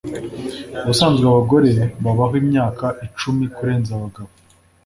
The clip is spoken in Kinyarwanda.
Ubusanzwe abagore babaho imyaka icumi kurenza abagabo.